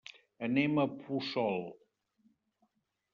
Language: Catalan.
Anem a Puçol.